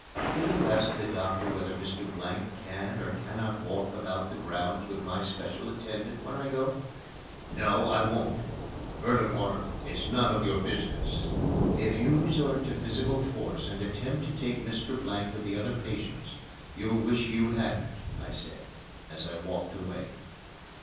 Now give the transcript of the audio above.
"Will you ask the doctor whether Mr. Blank can or cannot walk about the grounds with my special attendant when I go?" "No, I won't. Furthermore, it's none of your business." "If you resort to physical force and attempt to take Mr. Blank with the other patients, you'll wish you hadn't," I said, as I walked away.